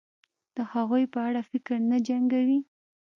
د هغوی په اړه فکر نه جنګوي